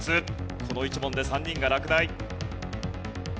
この１問で３人が落第。